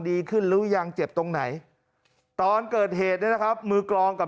ดีขึ้นหรือยังเจ็บตรงไหนตอนเกิดเหตุเนี่ยนะครับมือกรองกับ